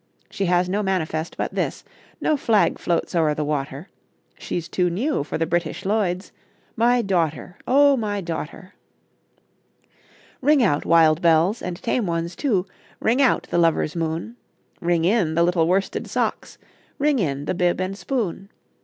She has no manifest but this, No flag floats o'er the water, She's too new for the British Lloyds My daughter, O my daughter! Ring out, wild bells, and tame ones too! Ring out the lover's moon! Ring in the little worsted socks! Ring in the bib and spoon!